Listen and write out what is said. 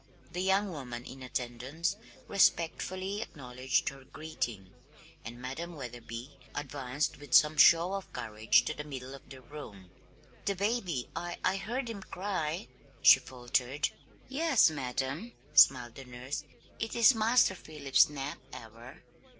The young woman in attendance respectfully acknowledged her greeting, and Madam Wetherby advanced with some show of courage to the middle of the room. "The baby, I I heard him cry," she faltered. "Yes, madam," smiled the nurse. "It is Master Philip's nap hour."